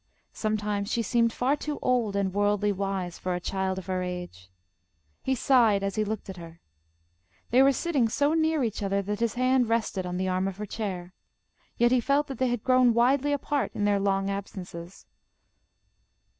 Sometimes she seemed far too old and worldly wise for a child of her age. He sighed as he looked at her. They were sitting so near each other that his hand rested on the arm of her chair. Yet he felt that they had grown widely apart in their long absences.